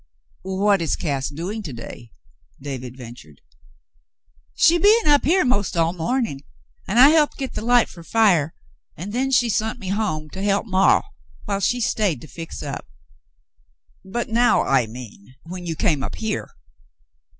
"What is Cass doing to day .^^" David ventured. "She be'n up here most all mornin', an' I he'ped get the light ud fer fire, an' then she sont me home to he'p maw whilst she stayed to fix up." "But now, I mean, when you came up here?